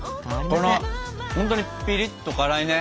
ほんとにピリッと辛いね。